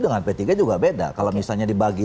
dengan p tiga juga beda kalau misalnya dibagi